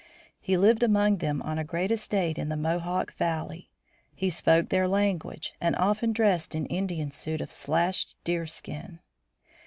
He lived among them on a great estate in the Mohawk Valley. He spoke their language and often dressed in Indian suit of slashed deerskin.